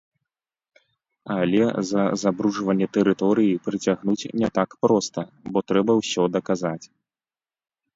Але за забруджванне тэрыторыі прыцягнуць не так проста, бо трэба ўсё даказаць.